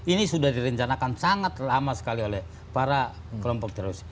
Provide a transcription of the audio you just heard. ini sudah direncanakan sangat lama sekali oleh para kelompok teroris